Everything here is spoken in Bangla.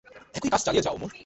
একই কাজ চালিয়ে যাও, অমর।